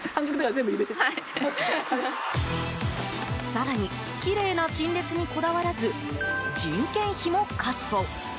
更に、きれいな陳列にこだわらず人件費もカット。